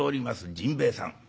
甚兵衛さん。